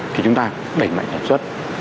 thì chúng ta đẩy mạnh sản xuất